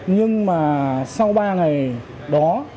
nhưng mà sau ba ngày đó